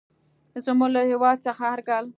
زموږ له هېواد څخه هر کال.